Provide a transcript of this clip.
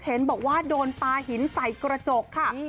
เห็นบอกว่าโดนปลาหินใส่กระจกค่ะ